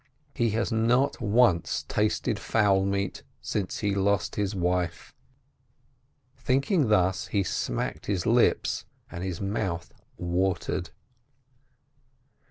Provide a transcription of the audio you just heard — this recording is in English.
He has not once tasted fowl meat since be fast bis wife. Thinking thus, he ^"»<r^l bis lips, and bis month watered.